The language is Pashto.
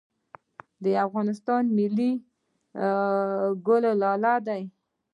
د افغانستان ملي ګل لاله دی